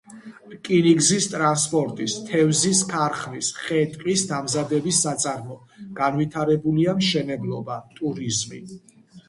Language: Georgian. რკინიგზის ტრანსპორტის, თევზის ქარხნის, ხე-ტყის დამზადების საწარმო; განვითარებულია მშენებლობა, ტურიზმი.